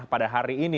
pada hari ini